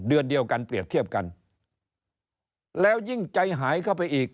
เดือนเดียวกันเปรียบเทียบกันแล้วยิ่งใจหายเข้าไปอีก